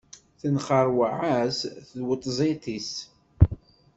Tenxeṛwaɛ-as tweṭzit-is.